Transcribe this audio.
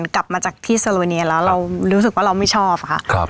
กลับมาจากที่โซโลเนียแล้วเรารู้สึกว่าเราไม่ชอบค่ะ